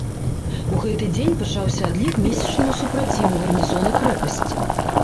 У гэты дзень пачаўся адлік месячнаму супраціву гарнізона крэпасці.